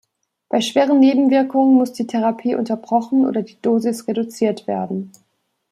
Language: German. Bei schweren Nebenwirkungen muss die Therapie unterbrochen oder die Dosis reduziert werden.